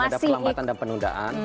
ada perlambatan dan penundaan